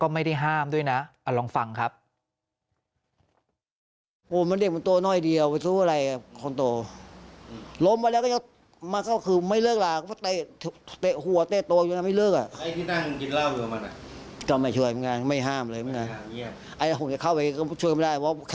ไม่ได้ห้ามด้วยนะลองฟังครับ